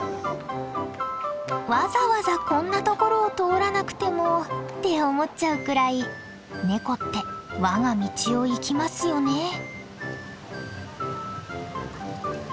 わざわざこんな所を通らなくてもって思っちゃうくらいネコってわが道を行きますよね。